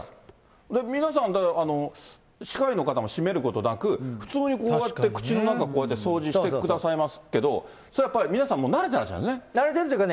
皆さん、歯科医の方もしめることなく、普通にこうやってうちの中、掃除してくださいますけれども、それやっぱり、皆さん慣れてらっしゃるんですね。